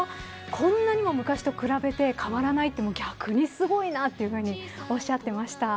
こんなにも何も昔と比べて変わらないって逆にすごいなとおっしゃっていました。